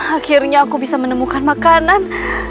akhirnya aku bisa menemukan makanan